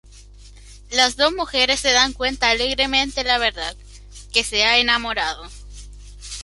Las dos mujeres se dan cuenta alegremente la verdad; que se ha enamorado.